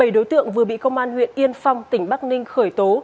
bảy đối tượng vừa bị công an huyện yên phong tỉnh bắc ninh khởi tố